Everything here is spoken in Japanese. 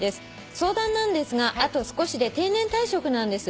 「相談なんですがあと少しで定年退職なんです」